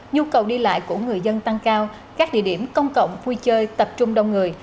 nhu cầu đi lại của người dân tăng cao các địa điểm công cộng vui chơi tập trung đông người